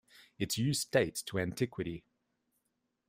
Its use dates to antiquity.